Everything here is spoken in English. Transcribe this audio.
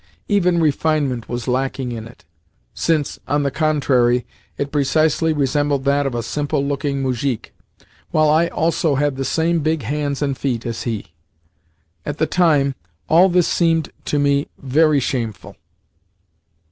Even refinement was lacking in it, since, on the contrary, it precisely resembled that of a simple looking moujik, while I also had the same big hands and feet as he. At the time, all this seemed to me very shameful.